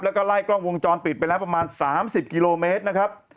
แล้วก็ไล่กล้องวงจรปิดไปแล้วประมาณ๓๐กิโลเมตรนะครับ